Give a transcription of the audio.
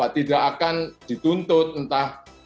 tidak akan dituntut entah